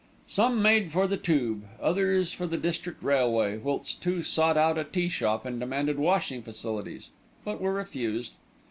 Some made for the Tube, others for the District Railway, whilst two sought out a tea shop and demanded washing facilities; but were refused.